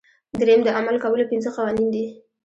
دریم د عمل کولو پنځه قوانین دي.